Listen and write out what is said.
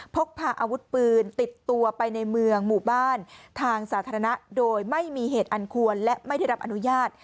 พกพาอาวุธปืนติดตัวไปในเมืองหมู่บ้านทางสาธารณะโดยไม่มีเหตุอันควรและไม่ได้รับอนุญาต